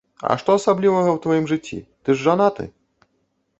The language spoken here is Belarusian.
А што асаблівага ў тваім жыцці, ты ж жанаты?